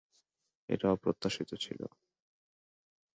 এটা অপ্রত্যাশিত ছিলো।